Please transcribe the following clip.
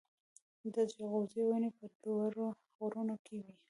د جلغوزیو ونې په لوړو غرونو کې وي.